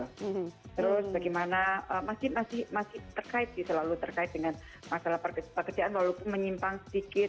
terus bagaimana masih terkait sih selalu terkait dengan masalah pekerjaan walaupun menyimpang sedikit